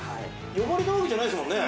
呼ばれたわけじゃないですもんね。